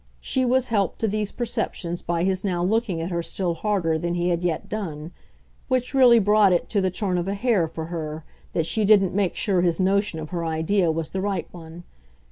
She was helped to these perceptions by his now looking at her still harder than he had yet done which really brought it to the turn of a hair, for her, that she didn't make sure his notion of her idea was the right one.